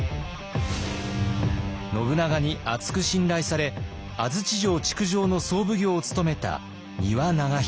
信長に厚く信頼され安土城築城の総奉行を務めた丹羽長秀。